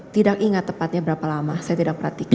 tidak ingat tepatnya berapa lama saya tidak perhatikan